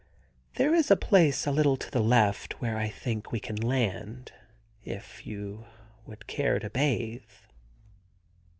* There is a place a little to the left where I think we can land if you would care to bathe.'